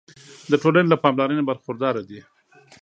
د ټولنې له پاملرنې برخورداره دي.